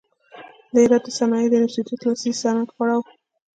د هرات د صنایعو د انستیتیوت لاسي صنعت غوره و.